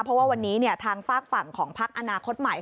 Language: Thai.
เพราะว่าวันนี้ทางฝากฝั่งของพักอนาคตใหม่